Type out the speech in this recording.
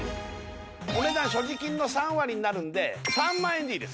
お値段所持金の３割になるんで３万円でいいです